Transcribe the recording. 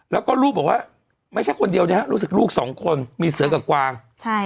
แล้วก็ลูกบอกว่าไม่ใช่คนเดียวนะฮะรู้สึกลูกสองคนมีเสือกับกวาง